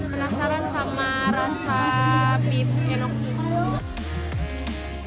penasaran sama rasa beef enoki